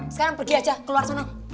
sekarang pergi aja keluar sana